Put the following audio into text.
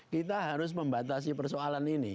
kita harus membatasi persoalan ini